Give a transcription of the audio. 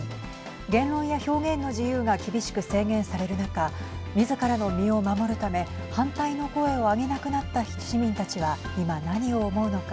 言論や表現の自由が厳しく制限される中みずからの身を守るため反対の声を上げなくなった市民たちは今何を思うのか。